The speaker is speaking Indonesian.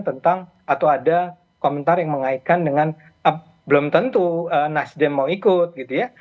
tentang atau ada komentar yang mengaitkan dengan belum tentu nasdem mau ikut gitu ya